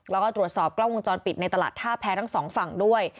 แล้วก็ตรวจสอบกล้องวงจรปิดในตลาดท่าแพ้ทั้งสองฝั่งด้วย